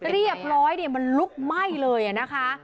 เรียบร้อยมันลุกไหม้เลยนะคะ